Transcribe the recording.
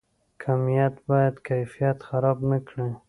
کمیت باید کیفیت خراب نکړي